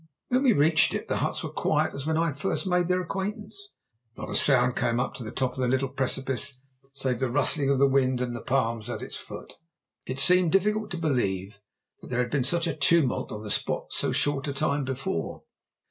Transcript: When we reached it the huts were as quiet as when I had first made their acquaintance. Not a sound came up to the top of the little precipice save the rustling of the wind in the palms at its foot. It seemed difficult to believe that there had been such a tumult on the spot so short a time before.